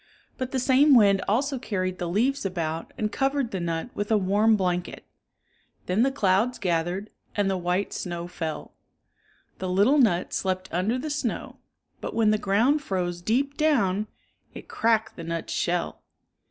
But the same wind also carried the leaves about and covered the nut with a warm blanket. Then the clouds gathered and the white snow fell. 75 The little nut slept under the snow, but when the ground froze deep down, it cracked the nut's shell.